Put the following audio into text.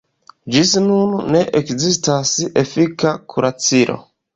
Ĝis nun ne ekzistas efika kuracilo.